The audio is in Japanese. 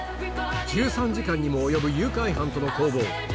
１３時間にも及ぶ誘拐犯との攻防。